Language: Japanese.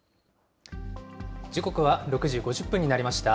時刻は６時５０分になりました。